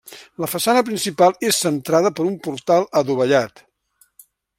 La façana principal és centrada per un portal adovellat.